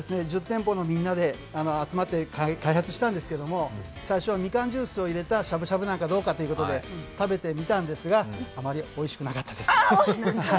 １０店舗のみんなで集まって開発したんですけど最初はみかんジュースを入れたしゃぶしゃぶなんかどうかということで食べてみたんですが、あまりおいしくなかったです。